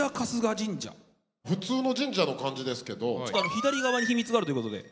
左側に秘密があるということで。